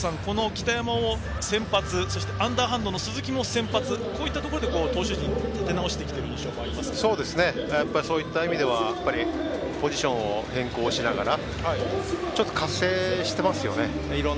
北山を先発、そしてアンダーハンドの鈴木も先発こういったところで投手陣を立て直してきているそういった意味ではポジションを変更しながら活性していますよね。